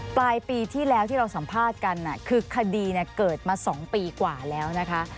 ปลายปีที่แล้วที่เราสัมภาษณ์กันคือคดีเกิดมา๒ปีกว่าแล้วนะคะ